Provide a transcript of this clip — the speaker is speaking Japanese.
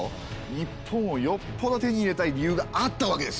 日本をよっぽど手に入れたい理由があったわけですよ。